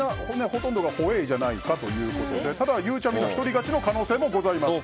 ほとんどがホエイじゃないかということでただ、ゆうちゃみが１人勝ちの可能性もございます。